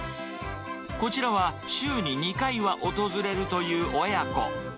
こちらは、週に２回は訪れるという親子。